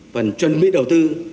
phần chuẩn bị đầu tư